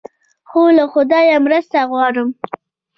خو له خدایه مرسته غواړم.